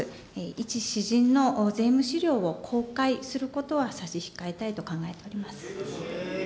いち私人の税務資料を公開することは差し控えたいと考えております。